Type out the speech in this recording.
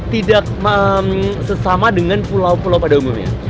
tidak sesama dengan pulau pulau pada umumnya